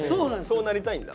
そうなりたいんだ？